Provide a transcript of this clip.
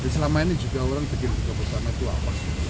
selama ini juga orang bikin buka bersama itu awas